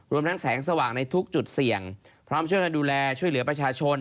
ทั้งแสงสว่างในทุกจุดเสี่ยงพร้อมช่วยกันดูแลช่วยเหลือประชาชน